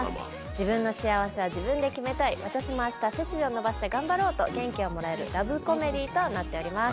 自分の幸せは自分で決めたい私もあした背筋を伸ばして頑張ろうと元気をもらえるラブコメディーとなっております。